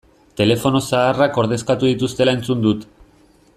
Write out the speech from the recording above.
Telefono zaharrak ordezkatu dituztela entzun dut.